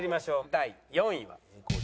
第４位は。